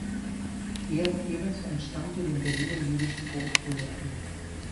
Georg Ebers entstammte dem Berliner jüdischen Großbürgertum.